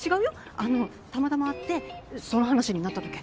あのたまたま会ってその話になっただけ。